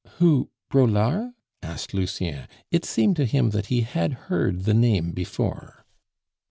"Who? Braulard?" asked Lucien; it seemed to him that he had heard the name before.